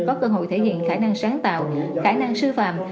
có cơ hội thể hiện khả năng sáng tạo khả năng sư phạm